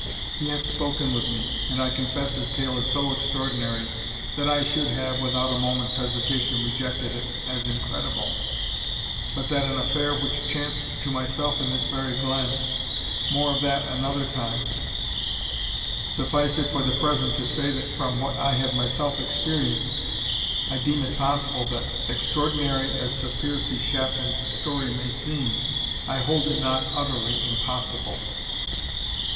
He hath spoken with me, and I confess his tale is so extraordinary, that I should have, without a moment's hesitation, rejected it as incredible, but that an affair which chanced to myself in this very glen More of that another time Suffice it for the present to say, that from what I have myself experienced, I deem it possible, that, extraordinary as Sir Piercie Shafton's story may seem, I hold it not utterly impossible."